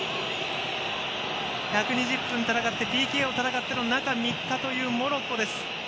１２０分戦ってＰＫを戦っての中３日というモロッコです。